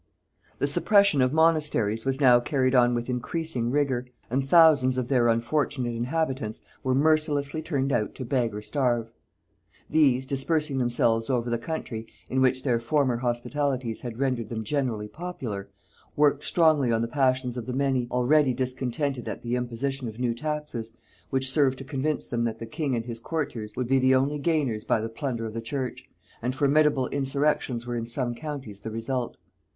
The suppression of monasteries was now carried on with increasing rigor, and thousands of their unfortunate inhabitants were mercilessly turned out to beg or starve. These, dispersing themselves over the country, in which their former hospitalities had rendered them generally popular, worked strongly on the passions of the many, already discontented at the imposition of new taxes, which served to convince them that the king and his courtiers would be the only gainers by the plunder of the church; and formidable insurrections were in some counties the result.